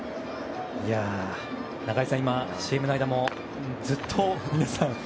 中居さん、今、ＣＭの間もずっと皆さん